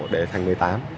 để thành một mươi tám